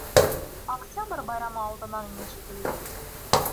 Октябрь байрамы алдынан ине шикелле.